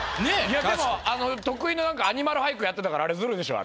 いやでもあの得意のアニマル俳句やってたからあれズルでしょ。